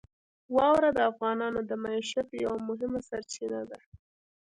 واوره د افغانانو د معیشت یوه مهمه سرچینه ده.